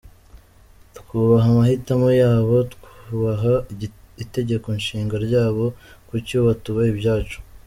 Twubaha amahitamo yabo, twubaha Itegeko Nshinga ryabo, kuki bo batubaha ibyacu?”.